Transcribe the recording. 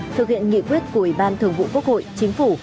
thực hiện nghị quyết của ủy ban thường vụ quốc hội chính phủ